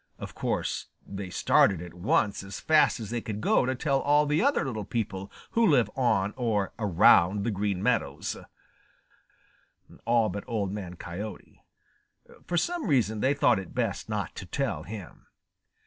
Of course they started at once as fast as they could go to tell all the other little people who live on or around the Green Meadows, all but Old Man Coyote. For some reason they thought it best not to tell him.